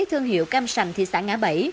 thương hiệu cam sành thị xã ngã bẫy